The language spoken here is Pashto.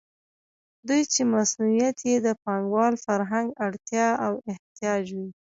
دوی چې مصونیت یې د پانګوال فرهنګ اړتیا او احتیاج وي.